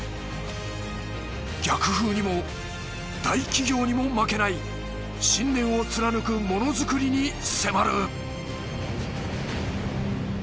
逆風にも大企業にも負けない信念を貫くモノ作りに迫る！